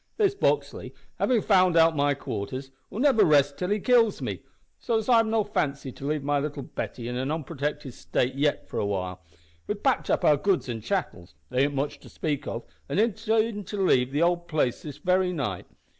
"This Buxley, havin' found out my quarters, will never rest till he kills me; so as I've no fancy to leave my little Betty in an unprotected state yet a while, we have packed up our goods and chattels they ain't much to speak of and intend to leave the old place this very night.